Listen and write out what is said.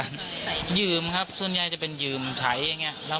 เขาอยากไปขอแค่นี้แหละ